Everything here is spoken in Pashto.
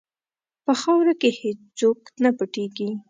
په خاوره کې هېڅ څوک نه پټیږي.